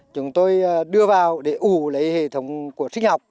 chúng tôi đưa vào để ủ lấy hệ thống của sinh học